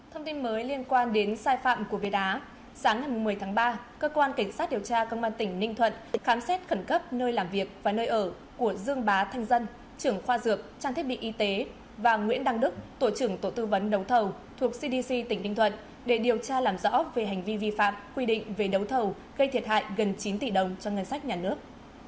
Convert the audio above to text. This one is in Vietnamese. thông tin mới liên quan đến sai phạm của vệ đá sáng một mươi tháng ba cơ quan cảnh sát điều tra công an tỉnh ninh thuận khám xét khẩn cấp nơi làm việc và nơi ở của dương bá thanh dân trưởng khoa dược trang thiết bị y tế và nguyễn đăng đức tổ trưởng tổ tư vấn đấu thầu thuộc cdc tỉnh ninh thuận để điều tra làm rõ về hành vi vi phạm quy định về đấu thầu gây thiệt hại gần chín tỷ đồng cho ngân sách nhà nước